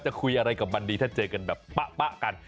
คุยอะไรกับมันดีถ้าเจอกันแบบปะกัน